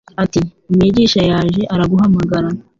ati: "Umwigisha yaje, araguhamagara."